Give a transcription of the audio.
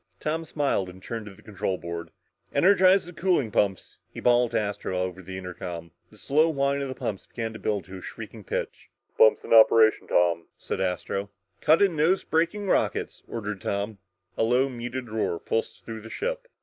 Tom smiled and turned to the control board. "Energize the cooling pumps!" he bawled to Astro over the intercom. The slow whine of the pumps began to build to a shrieking pitch. "Pumps in operation, Tom," said Astro. "Cut in nose braking rockets," ordered Tom. A low muted roar pulsed through the ship.